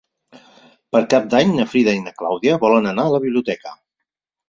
Per Cap d'Any na Frida i na Clàudia volen anar a la biblioteca.